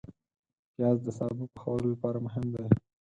پیاز د سابه پخولو لپاره مهم دی